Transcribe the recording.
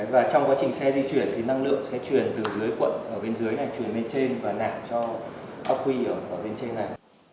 và trong quá trình xe di chuyển thì năng lượng sẽ chuyển từ dưới quận ở bên dưới này chuyển lên trên và nạp cho ac quy ở bên trên này